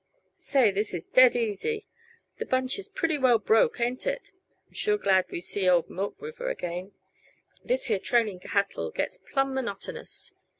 "Say, this is dead easy! The bunch is pretty well broke, ain't it? I'm sure glad to see old Milk River again; this here trailing cattle gets plumb monotonous."